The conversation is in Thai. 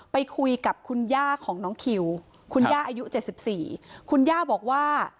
ไปคุยกับคุณย่าของน้องคิวคุณย่าอายุ๗๔คุณย่าบอกว่า